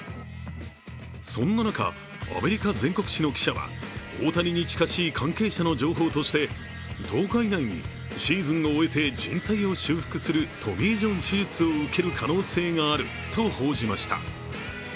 そんな中、アメリカ全国紙の記者は大谷に近しい関係者の話として１０日以内にシーズンを終えてじん帯を修復するトミー・ジョン手術を受ける可能性があると報じました。